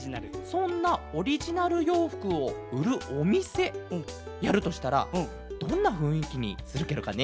そんなオリジナルようふくをうるおみせやるとしたらどんなふんいきにするケロかね？